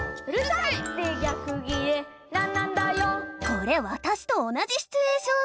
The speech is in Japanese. これわたしと同じシチュエーション！